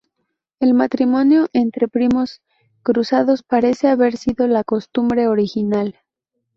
El matrimonio entre primos cruzados parece haber sido la costumbre original.